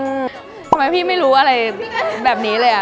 ทำไมพี่ไม่รู้อะไรแบบนี้เลยอ่ะ